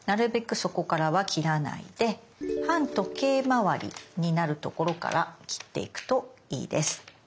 そこからは切らないで反時計回りになるところから切っていくといいです。